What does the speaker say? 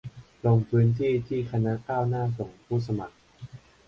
ลงพื้นที่ที่คณะก้าวหน้าส่งผู้สมัคร